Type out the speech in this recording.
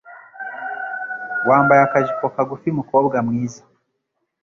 wambaye akajipo kagufi mukobwa mwiza